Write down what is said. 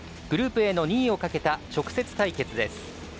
グループＡの２位をかけた直接対決です。